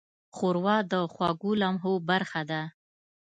ښوروا د خوږو لمحو برخه ده.